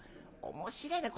「面白えな。